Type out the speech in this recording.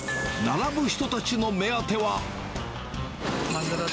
並ぶ人たちの目当ては。